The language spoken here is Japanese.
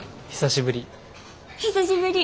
久しぶり。